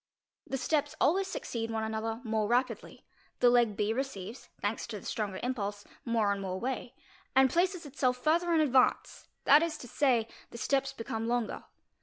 'The ste always succeed one another more rapidly; the leg B receives, that to the stronger impulse, more and more way, and places itself fur a in advance, that is to say, the steps become longer.